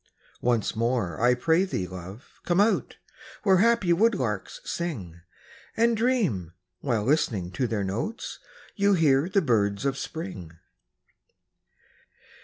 Once more, I pray thee, love, come out, Where happy woodlarks sing, And dream, while listening to their notes, You hear the birds of Spring.